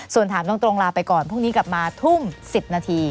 ส่วนถามตรงลาไปก่อนพรุ่งนี้กลับมาทุ่ม๑๐นาที